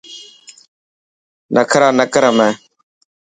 نکرا نه ڪر همي.